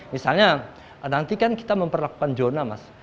misalnya nanti kan kita memperlakukan zona mas